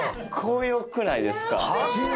よくないですか？